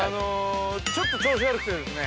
ちょっと調子悪くてですね。